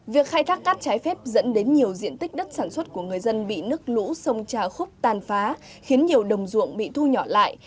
việc khai thác cát trái phép dẫn đến nhiều diện tích đất sản xuất của người dân bị nước lũ sông trà khúc tàn phá khiến nhiều đồng ruộng bị thu nhỏ lại